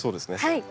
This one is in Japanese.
はい。